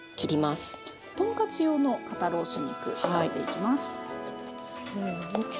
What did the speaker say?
とんかつ用の肩ロース肉使っていきます。